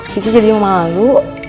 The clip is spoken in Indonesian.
cici jadi emang malu